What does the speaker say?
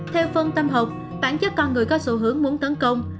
theo phân tâm học bản chất con người có xu hướng muốn tấn công